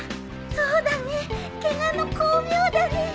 そうだねケガの功名だね。